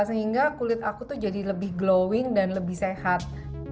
sehingga kulit aku tuh jadi lebih glowing dan lebih sehat